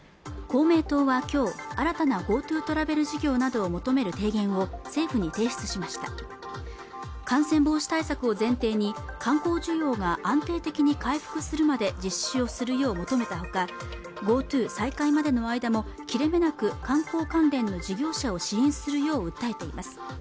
公明党は今日新たなＧｏＴｏトラベル事業などを求める提言を政府に提出しました感染防止対策を前提に観光需要が安定的に回復するまで実施をするよう求めたほかＧｏＴｏ再開までの間も切れ目なく観光関連の事業者を支援するよう訴えています